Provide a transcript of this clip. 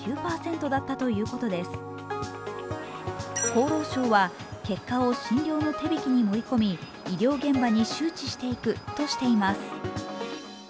厚労省は、結果を診療の手引に盛り込み、医療現場に周知していくとしています。